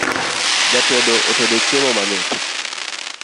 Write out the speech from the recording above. Jatedo otedo chiemo mamit